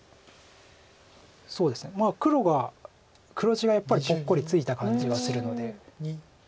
黒が黒地がやっぱりぽっこりついた感じがするので。